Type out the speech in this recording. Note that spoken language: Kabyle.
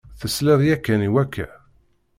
Tesliḍ yakan i wakka?